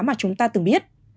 mà chúng ta từng biết